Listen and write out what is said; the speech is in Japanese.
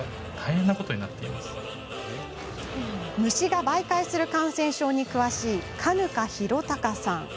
虫が媒介する感染症に詳しい嘉糠洋陸さん。